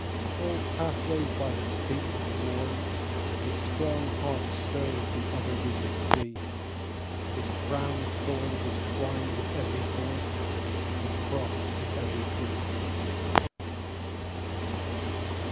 All pathways by his feet are worn, His strong heart stirs the ever beating sea, His crown of thorns is twined with every thorn, His cross is every tree.